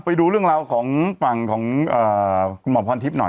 ไปดูเรื่องของดรคุณหมอพรทิพย์หน่อย